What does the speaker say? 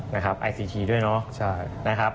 นะครับไอซีทีด้วยนะครับ